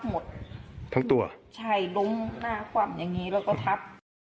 หมดทั้งตัวใช่ล้มหน้าคว่ำอย่างงี้แล้วก็ทับ